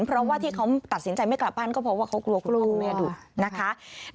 เพราะว่าที่เขาตัดสินใจไม่กลับบ้านก็เพราะว่าเขากลัวคุณพ่อคุณแม่ดูนะคะ